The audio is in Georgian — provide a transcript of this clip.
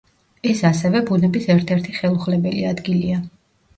ეს ასევე ბუნების ერთ-ერთი ხელუხლებელი ადგილია.